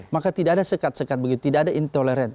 maka tidak ada sekat sekat begitu tidak ada intoleran